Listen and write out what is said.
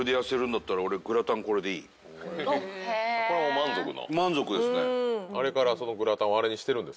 これは満足の？